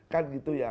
kan gitu ya